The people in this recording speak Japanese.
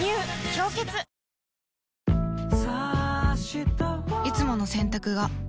「氷結」いつもの洗濯が